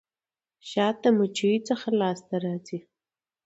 شات د مچيو څخه لاسته راځي.